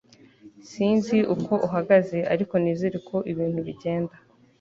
sinzi uko uhagaze, ariko nizere ko ibintu bigenda